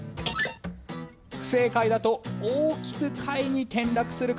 不正解だと大きく下位に転落する可能性も。